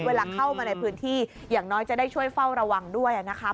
เวลาเข้ามาในพื้นที่อย่างน้อยจะได้ช่วยเฝ้าระวังด้วยนะคะ